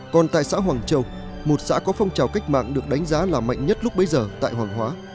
còn tại xã hoàng châu một xã có phong trào cách mạng được đánh giá là mạnh nhất lúc bấy giờ tại hoàng hóa